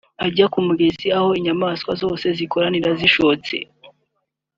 ijya ku mugezi aho inyamaswa zose zikoranira zishotse